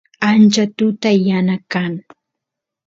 ancha tuta yana kan